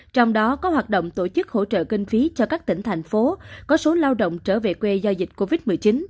trong đó có hoạt động tổ chức hỗ trợ kinh phí cho các tỉnh thành phố có số lao động trở về quê do dịch covid một mươi chín